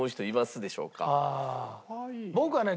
僕はね